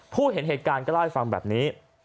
เห็นเหตุการณ์ก็เล่าให้ฟังแบบนี้